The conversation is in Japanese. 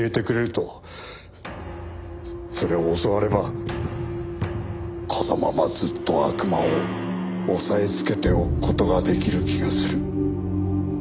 それを教わればこのままずっと悪魔を抑えつけておく事が出来る気がする。